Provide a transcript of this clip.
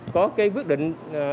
có quyết định